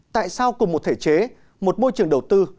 tại sao cùng một thể chế một môi trường đầu tư